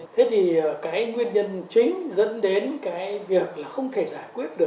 thế thì cái nguyên nhân chính dẫn đến cái việc là không thể giải quyết được